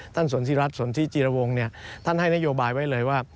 ท่านสนที่รัฐสนที่จีรวงท่านให้นโยบายไว้เลยว่า